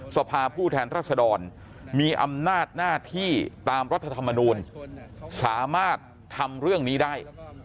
สภาผู้แทนรัศดรมีอำนาจหน้าที่ตามรัฐธรรมนูลสามารถทำเรื่องนี้ได้